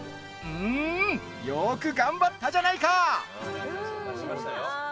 んよく頑張ったじゃないか！